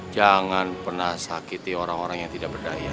jangan pernah sakiti orang orang yang tidak berdaya